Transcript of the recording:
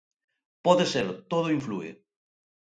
Pode ser, todo inflúe.